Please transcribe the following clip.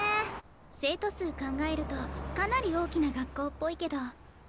生徒数考えるとかなり大きな学校っぽいけど。